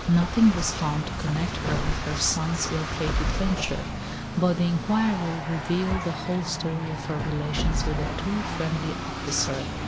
Nothing was found to connect her with her son's ill fated venture; but the inquiry revealed the whole story of her relations with the too friendly officer.